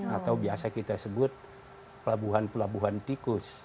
atau biasa kita sebut pelabuhan pelabuhan tikus